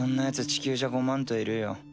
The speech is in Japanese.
地球じゃごまんといるよ。